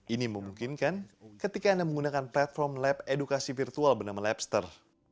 ini memungkinkan ketika anda menggunakan platform lab edukasi virtual bernama labster